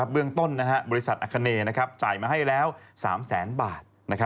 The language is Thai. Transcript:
เบื้องต้นบริษัทอัคเนย์จ่ายมาให้แล้ว๓แสนบาท